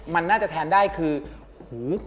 มันน่าจะแทนได้คือหู